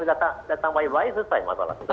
kalau datang baik baik selesai masalah